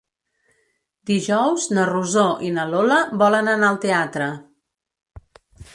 Dijous na Rosó i na Lola volen anar al teatre.